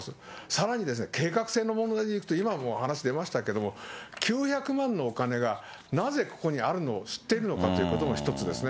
さらにですね、計画性の問題でいくと、今もお話に出ましたけれども、９００万のお金がなぜ、ここにあるのを知っているのかということも一つですね。